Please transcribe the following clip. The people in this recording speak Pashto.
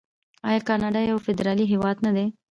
آیا کاناډا یو فدرالي هیواد نه دی؟